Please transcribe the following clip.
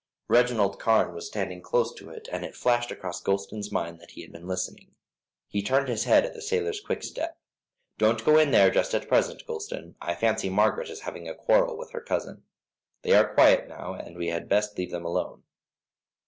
Reginald Carne was standing close to it, and it flashed across Gulston's mind that he had been listening. He turned his head at the sailor's quick step. "Don't go in there just at present, Gulston, I fancy Margaret is having a quarrel with her cousin. They are quiet now, we had best leave them alone."